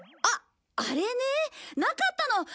あっあれねなかったの。